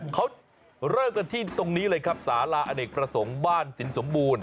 เขาเริ่มกันที่ตรงนี้เลยครับสาราอเนกประสงค์บ้านสินสมบูรณ